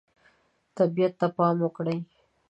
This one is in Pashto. طبیعت ته پام وکړئ.